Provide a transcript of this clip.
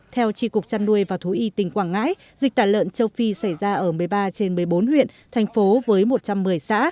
theo tri cục chăn nuôi và thú y tỉnh quảng ngãi dịch tả lợn châu phi xảy ra ở một mươi ba trên một mươi bốn huyện thành phố với một trăm một mươi xã